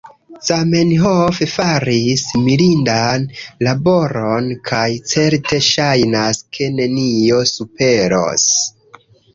Zamenhof faris mirindan laboron, kaj certe ŝajnas, ke nenio superos